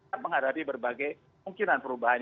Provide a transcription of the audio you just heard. dan menghadapi berbagai mungkinan perubahan